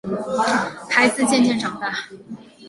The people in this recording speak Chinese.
孩子渐渐长大